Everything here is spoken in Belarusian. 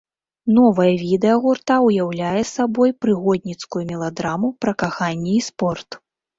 Новае відэа гурта ўяўляе сабой прыгодніцкую меладраму пра каханне і спорт.